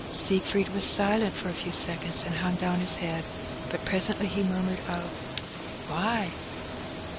Siegfried was silent for a few seconds, and hung down his head; but presently he murmured out, "Why?"